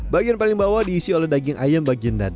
bagian paling bawah diisi oleh daging ayam bagian dada